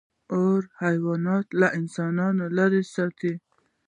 • اور حیوانات له انسانانو لرې ساتل.